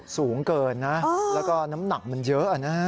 สูงเกินนะแล้วก็น้ำหนักมันเยอะนะฮะ